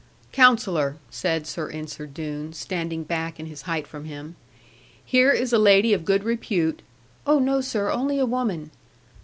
'Counsellor,' said Sir Ensor Doone, standing back in his height from him, 'here is a lady of good repute ' 'Oh, no, sir; only a woman.'